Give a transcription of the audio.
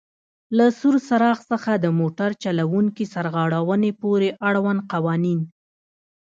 له سور څراغ څخه د موټر چلوونکي سرغړونې پورې آړوند قوانین: